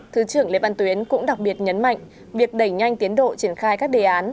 thứ trưởng lê văn tuyến cũng đặc biệt nhấn mạnh việc đẩy nhanh tiến độ triển khai các đề án